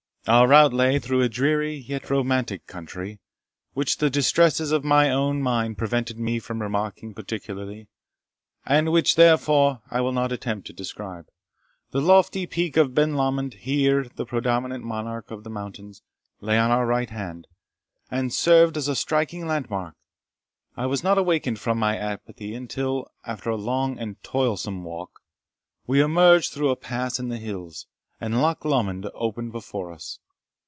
Our route lay through a dreary, yet romantic country, which the distress of my own mind prevented me from remarking particularly, and which, therefore, I will not attempt to describe. The lofty peak of Ben Lomond, here the predominant monarch of the mountains, lay on our right hand, and served as a striking landmark. I was not awakened from my apathy, until, after a long and toilsome walk, we emerged through a pass in the hills, and Loch Lomond opened before us.